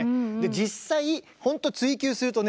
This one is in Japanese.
実際ほんと追求するとね